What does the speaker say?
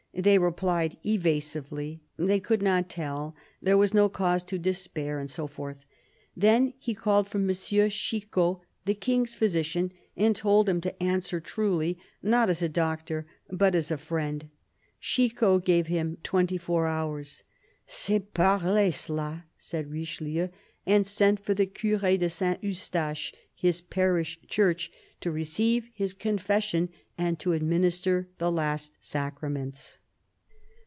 They replied evasively— they could not tell ; there was no cause to despair, and so forth. Then he called for M. Chicot, the King's physician, and told him to answer truly, not as doctor, but as friend. Chicot gave him twenty four hours. " C'est parler, cela !" said Richelieu, and sent for the Cure of Saint Eustache, his parish church, to receive his confession and to ad minister the last Sacraments.